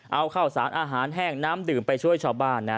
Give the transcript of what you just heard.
เอาข้าวสารอาหารแห้งน้ำดื่มไปช่วยชาวบ้านนะ